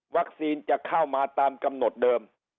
วัคซีนจะเข้ามาตามกำหนดเดิม